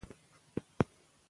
جلګه د افغانانو ژوند اغېزمن کوي.